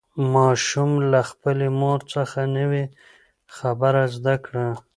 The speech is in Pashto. ماشوم له خپلې مور څخه نوې خبره زده کړه